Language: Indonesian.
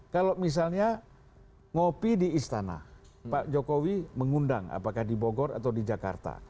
kalau misalnya ngopi di istana pak jokowi mengundang apakah di bogor atau di jakarta